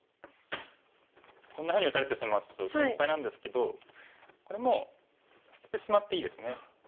こんなふうに打たれてしまうとちょっと心配なんですけどこれもう捨ててしまっていいですね。